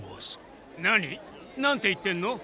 何？なんて言ってんの？